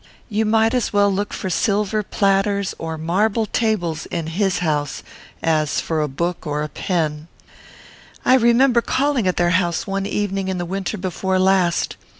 You might as well look for silver platters or marble tables in his house, as for a book or a pen. "I remember calling at their house one evening in the winter before last.